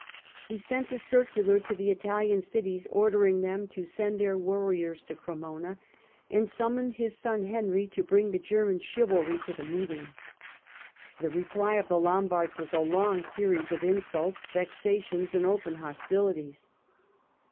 He sent a circular to the Italian cities ordering them to send their warriors to Cremona, and summoned his son Henry to bring the German chivalry to the meeting. The reply of the Lombards was a long series of insults, vexations and open hostilities.